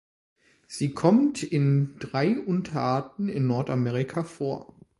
Sie kommt in drei Unterarten in Nordamerika vor.